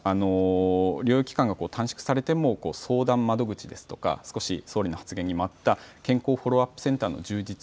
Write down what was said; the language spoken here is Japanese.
療養期間が短縮されても相談窓口ですとか少し総理の発言にもあった健康フォローアップセンターの充実